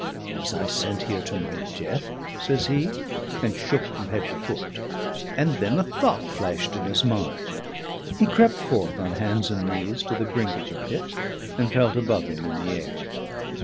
'Was I sent here to my death?' says he, and shook from head to foot. And then a thought flashed in his mind. He crept forth on hands and knees to the brink of the pit, and felt above him in the air.